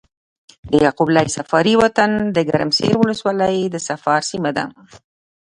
د يعقوب ليث صفاري وطن د ګرمسېر ولسوالي د صفار سيمه ده۔